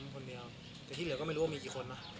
คนเดียวแต่ที่เหลือก็ไม่รู้ว่ามีกี่คนนะ